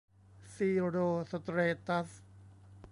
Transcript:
ซีร์โรสเตรตัส